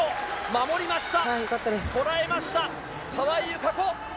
こらえました、川井友香子。